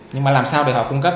nhưng mà làm sao để họ cung cấp